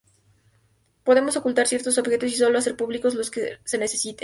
Podemos ocultar ciertos objetos y solo hacer públicos los que se necesiten.